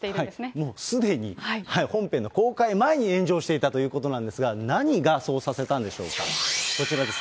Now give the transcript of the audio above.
もうすでに、本編の公開前に炎上していたということなんですが、何がそうさせたんでしょうか、こちらです。